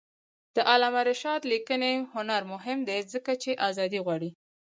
د علامه رشاد لیکنی هنر مهم دی ځکه چې آزادي غواړي.